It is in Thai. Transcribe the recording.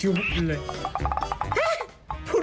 แฮ้ววววพูดเลี่ยวกัน